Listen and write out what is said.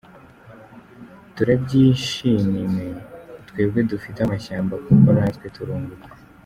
turabyishimime twebwe dufite amashamba kuko natwe turunguka.